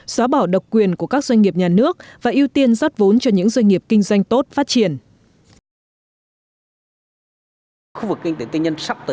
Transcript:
xóa bỏ độc quyền của các doanh nghiệp nhà nước và ưu tiên rót vốn cho những doanh nghiệp kinh doanh tốt phát triển